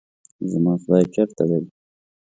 زما خداے چرته دے؟